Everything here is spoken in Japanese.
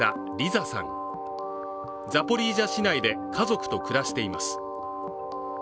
ザポリージャ市内で家族と暮らしています。